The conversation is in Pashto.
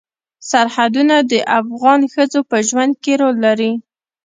سرحدونه د افغان ښځو په ژوند کې رول لري.